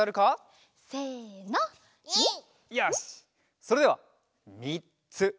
それではみっつ！